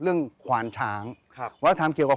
เหมือนเล็บแต่ของห้องเหมือนเล็บตลอดเวลา